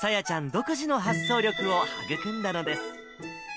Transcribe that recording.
独自の発想力を育んだのです。